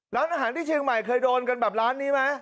ร้านอาหารที่เชียงใหม่เคยโดนกันแบบร้านนี้ไหม